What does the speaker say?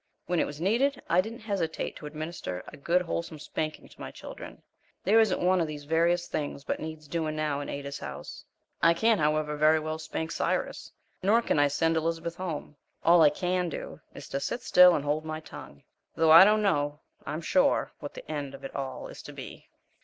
When it was needed, I didn't hesitate to administer a good wholesome spanking to my children. There isn't one of these various things but needs doing now in Ada's house. I can't, however, very well spank Cyrus, nor can I send Elizabeth home. All I CAN do is to sit still and hold my tongue, though I don't know, I'm sure, what the end of it all is to be.